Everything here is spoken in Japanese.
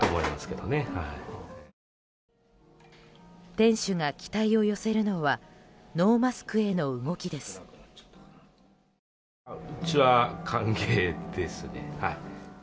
店主が期待を寄せるのはノーマスクへの動きです。